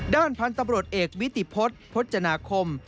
ด้านพันธุ์ตำรวจเอกวิติพฤษพจนาคม